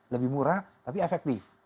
lebih murah tapi efektif